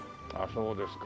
そうですか。